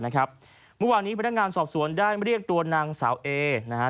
เมื่อวานนี้พนักงานสอบสวนได้เรียกตัวนางสาวเอนะฮะ